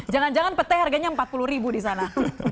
jangan jangan petai harganya rp empat puluh di sana